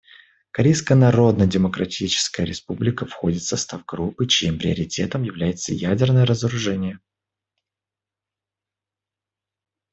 Корейская Народно-Демократическая Республика входит в состав группы, чьим приоритетом является ядерное разоружение.